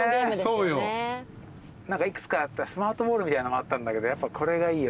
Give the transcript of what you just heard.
幾つかあってスマートボールみたいなのもあったんだけどやっぱこれがいいよ